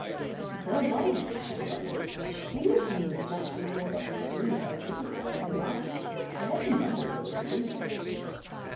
"And so have I," said the butler. "Many a time when the master has rolled up his sleeves I have noticed that very mark. I've often wondered what it could be."